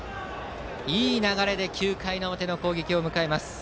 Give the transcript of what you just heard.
いい流れで９回の表の攻撃を迎えます。